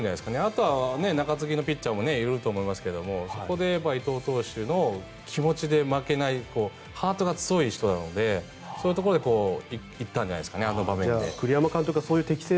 あとは中継ぎのピッチャーもいると思いますけど伊藤投手の気持ちで負けないハートが強い人なのでそういうところで行ったんじゃないですかねあの場面で。